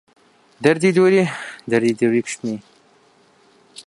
دەردی دووری... دەردی دووری کوشتمی